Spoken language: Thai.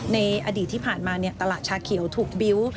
ในอดีตที่ผ่านมาตลาดชาเขียวถูกบิ้วต์